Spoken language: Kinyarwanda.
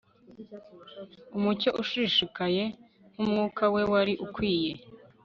Umucyo ushishikaye nkumwuka we wari ukwiye